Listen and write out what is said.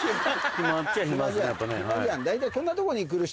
大体。